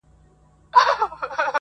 بيا به ساز بيا به نڅا بيا به نگار وو!!